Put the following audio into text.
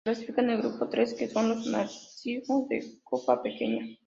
Se clasifica en el grupo tres, que son los Narcisos de copa pequeña.